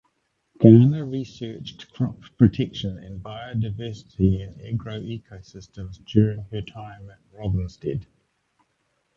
Garner researched crop protection and biodiversity in agroecosystems during her time at Rothamsted.